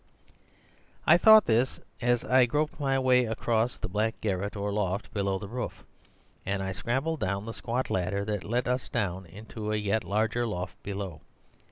"I thought this as I groped my way across the black garret, or loft below the roof, and scrambled down the squat ladder that let us down into a yet larger loft below.